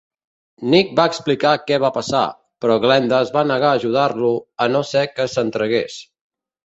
Nick va explicar què va passar, però Glenda es va negar a ajudar-lo a no ser que s'entregués.